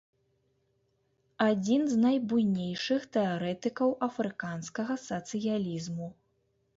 Адзін з найбуйнейшых тэарэтыкаў афрыканскага сацыялізму.